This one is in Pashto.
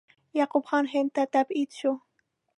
یعقوب خان هند ته تبعید شو.